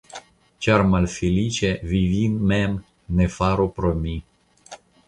Ĉar malfeliĉa vi vin mem ne faru pro mi.